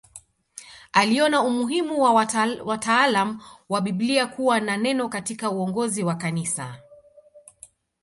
Aliona umuhimu wa wataalamu wa Biblia kuwa na neno katika uongozi wa kanisa